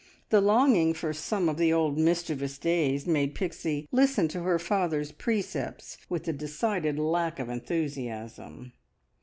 The longing for some of the old mischievous days made Pixie listen to her father's precepts with a decided lack of enthusiasm.